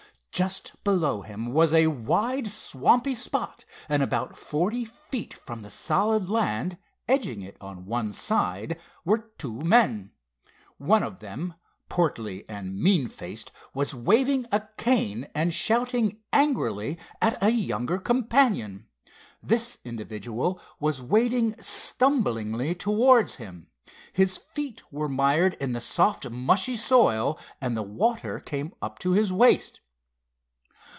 Just below him was a wide swampy spot, and about forty feet from the solid land, edging it on one side, were two men. One of them, portly and mean faced, was waving a cane and shouting angrily at a younger companion. This individual was wading stumblingly towards him. His feet were mired in the soft, mushy soil, and the water came up to his waist.